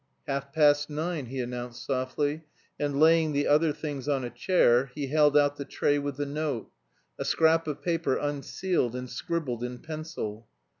"Half past nine," he announced softly, and laying the other things on a chair, he held out the tray with the note a scrap of paper unsealed and scribbled in pencil.